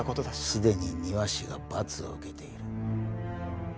すでに庭師が罰を受けている。